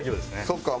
そっか。